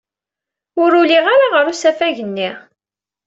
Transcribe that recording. Ur uliɣ ara ɣer usafag-nni.